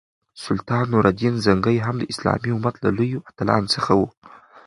سلطان نور الدین زنګي هم د اسلامي امت له لویو اتلانو څخه وو.